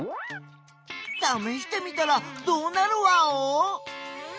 ためしてみたらどうなるワオ？